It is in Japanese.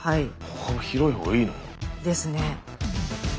歩幅広い方がいいの？ですね。